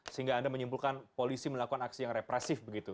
sehingga anda menyimpulkan polisi melakukan aksi yang represif begitu